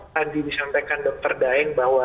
tadi disampaikan dr daeng bahwa